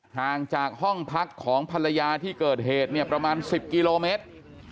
ห่างจากห้องพักของภรรยาที่เกิดเหตุเนี่ยประมาณ๑๐กิโลเมตร